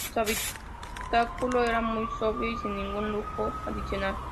Su habitáculo era muy sobrio y sin ningún lujo adicional.